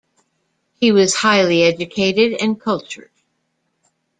He was highly educated and cultured.